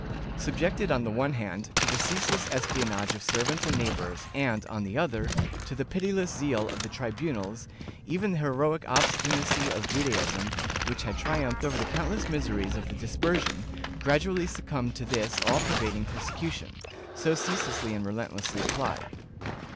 ^ Subjected, on the one hand, to the ceaseless espionage of ser vants and neighbors and, on the other, to the pitiless zeal of the tribunals, even the heroic obstinacy of Judaism, which had tri umphed over the countless miseries of the Dispersion, gradually succumbed to this all pervading persecution, so ceaselessly and relentlessly applied.